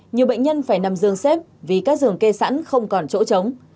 nên phải nằm dương xếp vì các giường kê sẵn không còn chỗ trống